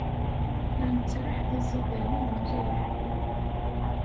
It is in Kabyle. La nettraḥ d iẓidanen mliḥ.